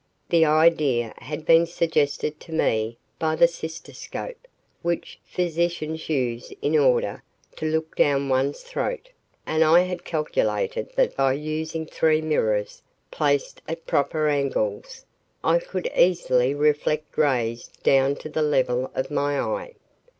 The idea had been suggested to me by the cystoscope which physicians use in order to look down one's throat, and I had calculated that by using three mirrors placed at proper angles, I could easily reflect rays down to the level of my eye.